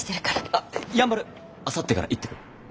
あっやんばるあさってから行ってくる。